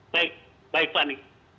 baik baik fani